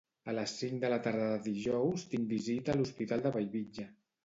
A les cinc de la tarda de dijous tinc visita a l'Hospital de Bellvitge.